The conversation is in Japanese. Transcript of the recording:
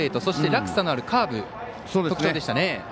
そして、落差のあるカーブ特徴でしたね。